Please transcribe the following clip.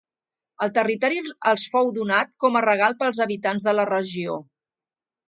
El territori els fou donat com a regal pels habitants de la regió.